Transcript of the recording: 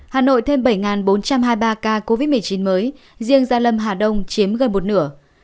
hà nội thêm bảy bốn trăm hai mươi ba ca covid một mươi chín mới riêng gia lâm hà đông chiếm gần một nửa